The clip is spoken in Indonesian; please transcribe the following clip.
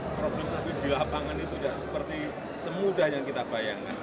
problem problem di lapangan itu tidak seperti semudah yang kita bayangkan